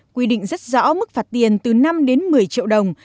quy định rất rõ mức phạt tiền từ năm đến một mươi triệu đồng